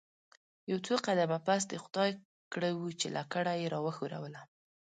یو څو قدمه پس د خدای کړه وو چې لکړه یې راوښوروله.